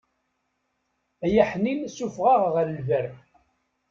Ay aḥnin sufeɣ-aɣ ɣer lber.